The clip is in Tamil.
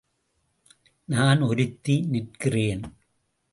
நான் ஒருத்தி நிற்கிறேன்.